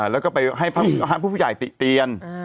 แล้วก็ไปให้ผู้ใหญ่ติเตียน